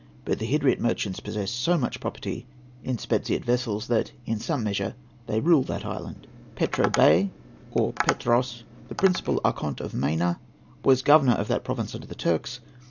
But the Hydriot merchants possess so much property in Spetziot vessels that, in some measure, they rule that island. PETRO BEY [or PETROS MAVROMICHALES].—The principal Archonte of Maina; was governor of that province under the Turks.